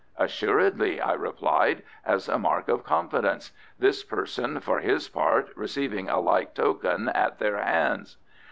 "Assuredly," I replied. "As a mark of confidence; this person, for his part, receiving a like token at their hands."